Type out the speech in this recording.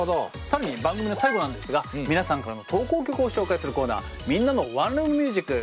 更に番組の最後なんですが皆さんからの投稿曲を紹介するコーナー「みんなのワンルーム★ミュージック」